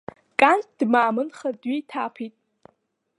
Кан дмаамынха дҩеиҭаԥеит.